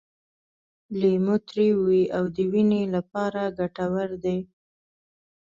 لیمو تریو وي او د وینې لپاره ګټور دی.